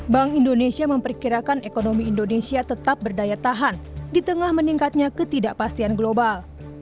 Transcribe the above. bank indonesia memperkirakan ekonomi indonesia tetap berdaya tahan di tengah meningkatnya ketidakpastian global